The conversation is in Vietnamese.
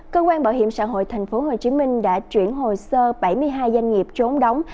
cơ quan bảo hiểm xã hội tp hcm đã chuyển hồ sơ bảy mươi hai doanh nghiệp trốn đóng